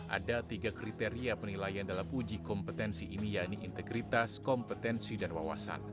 ada tiga kriteria penilaian dalam uji kompetensi ini yaitu integritas kompetensi dan wawasan